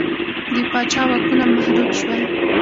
د پاچا واکونه محدود شول.